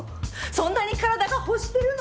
そんなに体が欲してるの？